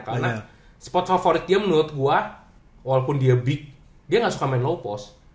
karena spot favorit dia menurut gue walaupun dia big dia nggak suka main low pos